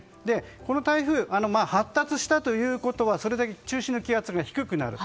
この台風、発達したということはそれだけ中心の気圧が低くなる。